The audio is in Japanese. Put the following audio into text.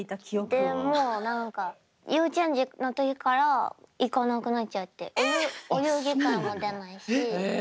でもう何か幼稚園児の時から行かなくなっちゃってお遊戯会も出ないし。